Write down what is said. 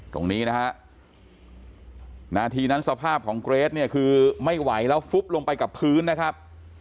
ตรงนี้นะฮะนาทีนั้นสภาพของเกรทเนี่ยคือไม่ไหวแล้วฟุบลงไปกับพื้นนะครับ